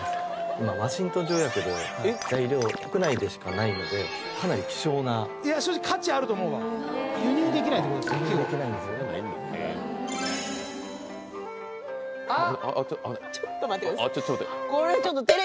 今ワシントン条約で材料国内でしかないのでかなり希少な正直価値あると思うわ輸入できないってことですよねあっ！